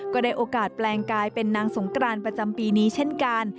ก็ได้โอกาสแปลงกายเป็นนางสงกรานประจำปีนี้เช่นกัน